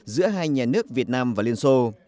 giữa hai nhà nước việt nam và liên xô